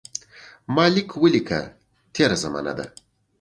ما لیک ولیکه تېره زمانه ده.